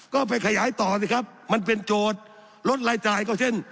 ก็ไปขยายต่อสิครับมันเป็นโจทย์ลดรายจ่ายก็เช่น